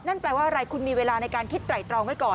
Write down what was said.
นั่นแปลว่าอะไรคุณมีเวลาในการคิดไตรตรองไว้ก่อน